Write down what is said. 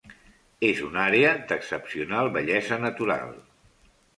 És una àrea d'excepcional bellesa natural.